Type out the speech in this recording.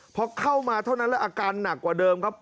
พอเข้ามาเท่านั้นและอาการหนักกว่าเดิมครับ